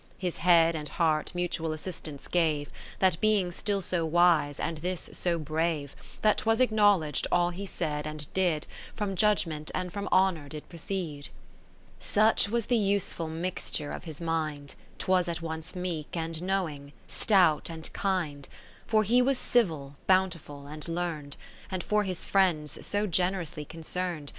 30 His head and heart mutual assist j ance gave, ' That being still so wise, and this ; so brave, J That 'twas acknowledg'd all he said I and did, From Judgement, and from Honour did proceed : Such was the useful mixture of his mind, 'Twas at once meek and knowing, stout and kind ; For he was civil, bountiful, and learn'd, And for his friends so generously concern'd.